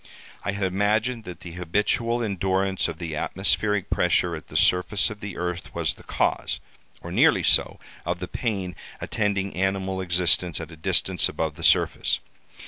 I had imagined that the habitual endurance of the atmospheric pressure at the surface of the earth was the cause, or nearly so, of the pain attending animal existence at a distance above the surface.